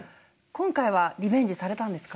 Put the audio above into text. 今回はリベンジされたんですか？